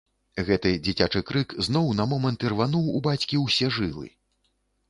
Гэты дзіцячы крык зноў на момант ірвануў у бацькі ўсе жылы.